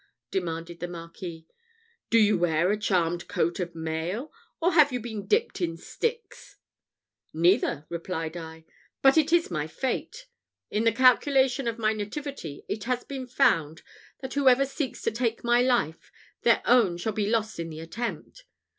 demanded the Marquis. "Do you wear a charmed coat of mail, or have you been dipped in Styx?" "Neither," replied I: "but it is my fate! In the calculation of my nativity, it has been found, that whoever seeks to take my life, their own shall be lost in the attempt.